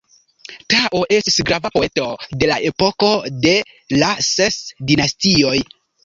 Tao estis grava poeto de la epoko de la Ses Dinastioj.